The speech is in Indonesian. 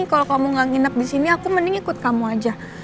kalau kamu gak nginep di sini aku mending ikut kamu aja